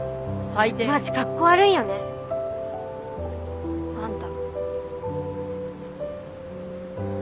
マジかっこ悪いよねあんた。